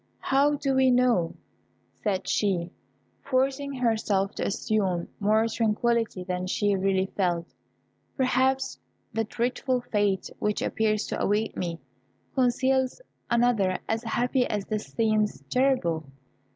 "How do we know," said she, forcing herself to assume more tranquillity than she really felt; "perhaps the dreadful fate which appears to await me conceals another as happy as this seems terrible?"